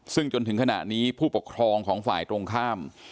ซึ่งจนถึงขณะนี้ผู้ปกครองของฝ่ายตรงข้าม